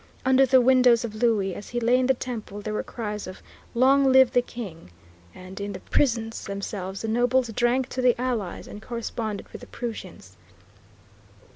Under the windows of Louis, as he lay in the Temple, there were cries of "Long live the King," and in the prisons themselves the nobles drank to the allies and corresponded with the Prussians.